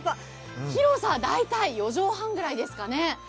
広さ、大体４畳半ぐらいですかね。